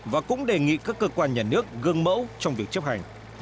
và cũng đề nghị các cơ quan nhà nước gương mẫu trong việc chấp hành